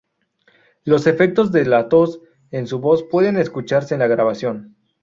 Los efectos de la tos en su voz pueden escucharse en la grabación.